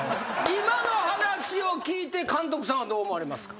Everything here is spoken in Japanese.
今の話を聞いて監督さんはどう思われますか？